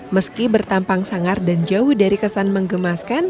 meski bertampang sangar dan jauh dari kesan mengemaskan